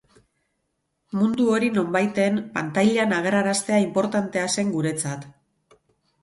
Mundu hori nonbaiten, pantailan agerraraztea inportantea zen guretzat.